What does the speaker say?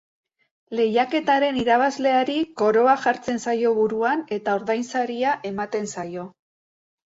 Lehiaketaren irabazleari koroa jartzen zaio buruan eta ordainsaria ematen zaio.